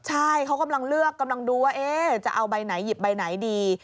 ใช่เขากำลังเลือกกำลังดูว่าจะเอาใบไหนหยิบใบไหนดี